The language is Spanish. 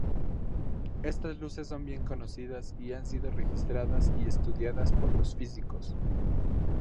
Estas luces son bien conocidas y han sido registradas y estudiadas por los físicos.